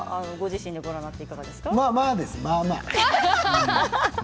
まあまあですね、まあまあ。